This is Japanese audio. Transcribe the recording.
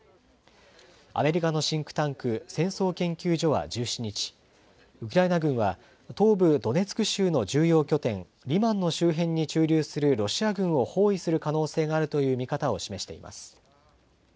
アメリカのシンクタンク、戦争研究所は１７日、ウクライナ軍は東部ドネツク州の重要拠点、リマンの周辺に駐留するロシア軍を包囲する可能性があるという見方を示しています。